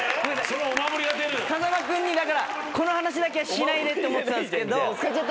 風間君にだからこの話だけはしないでって思ってたんすけど。